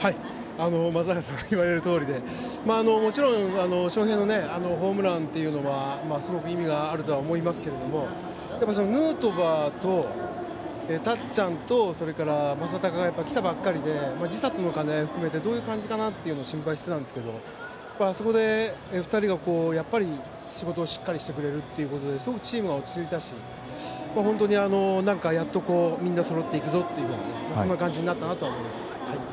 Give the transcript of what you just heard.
松坂さんが言われるとおりでもちろん、翔平のホームランはすごく意味があるとは思いますけどヌートバー、たっちゃん正尚が来たばかりで時差との兼ね合いも含めてどうか心配したんですがあそこで２人が仕事をしっかりしてくれる部分ですごくチームは落ち着いたしやっと、みんなそろっていくぞという感じになったと思います。